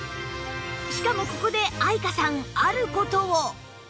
しかもここで愛華さんある事を